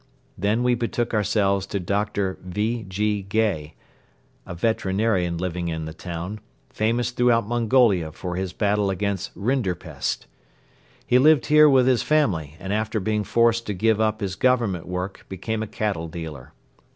Then we betook ourselves to Dr. V. G. Gay, a veterinarian living in the town, famous throughout Mongolia for his battle against rinderpest. He lived here with his family and after being forced to give up his government work became a cattle dealer.